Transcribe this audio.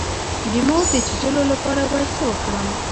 د مار د چیچلو لپاره باید څه وکړم؟